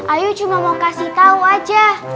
ayo cuma mau kasih tahu aja